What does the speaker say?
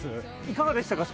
いかがでしたか？